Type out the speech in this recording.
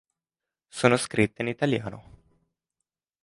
Sono scritte in italiano.